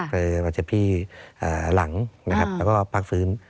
ค่ะบาดเจ็บที่อ่าหลังนะครับแล้วก็พักฟื้น